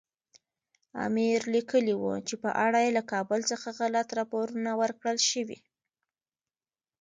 امیر لیکلي وو چې په اړه یې له کابل څخه غلط راپورونه ورکړل شوي.